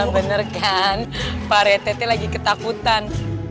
bener kan pak rette lagi ketakutan